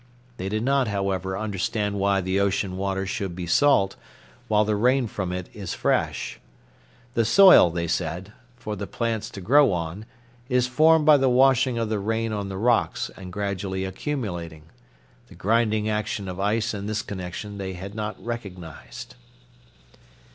They did not, however, understand why the ocean water should be salt, while the rain from it is fresh. The soil, they said, for the plants to grow on is formed by the washing of the rain on the rocks and gradually accumulating. The grinding action of ice in this connection they had not recognized.